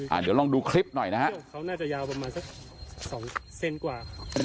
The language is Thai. เดี๋ยวลองดูคลิปหน่อยนะฮะเขาน่าจะยาวประมาณสักสองเซนกว่า